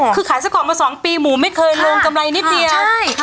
คือขายไส้กรอกมา๒ปีหมูไม่เคยลงกำไรนิดเดียวใช่